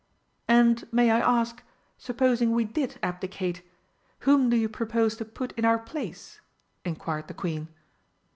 "And may I ask, supposing we did abdicate, whom do you propose to put in our place?" inquired the Queen.